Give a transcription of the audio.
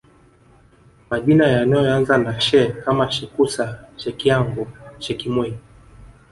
Majina yanayoanza na She kama Shekusa Shekiango Shekimwei